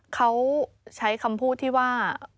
เขาใช้คำพูดที่ว่า